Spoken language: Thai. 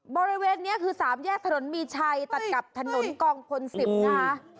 บริเวณนี้คือ๓แยกถนนมีชัยตัดกับถนนกองพล๑๐นะคะ